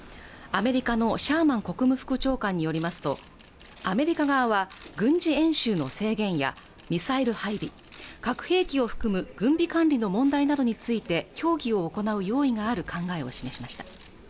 アメリカのシャーマン国務副長官によりますとアメリカ側は軍事演習の制限やミサイル配備核兵器を含む軍備管理の問題などについて協議を行う用意がある考えを示しました